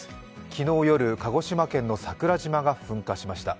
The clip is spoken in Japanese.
昨日夜、鹿児島県の桜島が噴火しました。